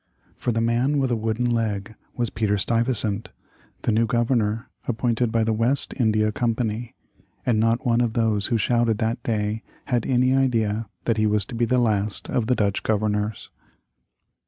For the man with a wooden leg was Peter Stuyvesant, the new Governor appointed by the West India Company, and not one of those who shouted that day had an idea that he was to be the last of the Dutch governors.